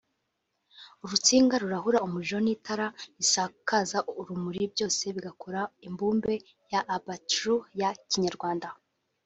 urutsinga rurahura umuriro n’itara risakaza urumuri byose bigakora imbumbe ya Abats-jour ya Kinyarwanda